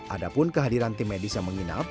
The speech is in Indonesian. ada pun kehadiran tim medis yang menginap